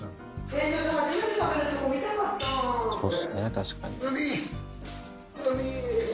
確かに。